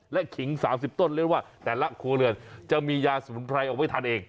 และขิง๓๐ต้นเรียกว่าแต่ละครัวเรือนจะมียาสมุนไพรเอาไว้ทานเอง